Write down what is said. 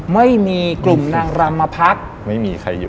ไม่มีกลุ่มนางรำมาพักไม่มีใครอยู่